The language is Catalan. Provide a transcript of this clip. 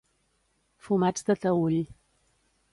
Fumats de Taüll.